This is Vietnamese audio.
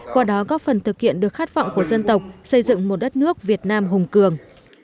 qua đó góp phần thực hiện được khát vọng của dân tộc xây dựng một đất nước việt nam hùng cường